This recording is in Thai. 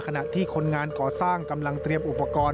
ขณะที่คนงานก่อสร้างกำลังเตรียมอุปกรณ์